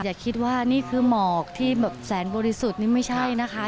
อย่าคิดว่านี่คือหมอกที่แบบแสนบริสุทธิ์นี่ไม่ใช่นะคะ